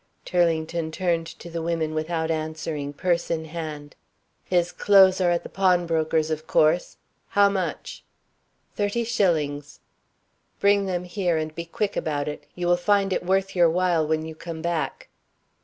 Turlington turned to the women without answering, purse in hand. "His clothes are at the pawnbroker's, of course. How much?" "Thirty shillings." "Bring them here, and be quick about it. You will find it worth your while when you come back."